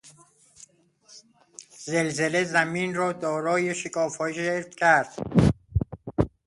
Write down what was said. زلزله زمین را دارای شکافهای ژرف کرد.